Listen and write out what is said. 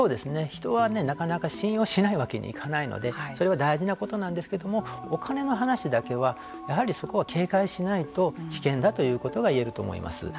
人はなかなか信用しないわけにはいかないのでそれは大事なことなんですけどもお金の話だけはやはりそこは警戒しないと危険だということがいえると思います。